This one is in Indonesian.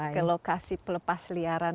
ke lokasi pelepasliaran